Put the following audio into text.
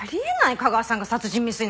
架川さんが殺人未遂なんて。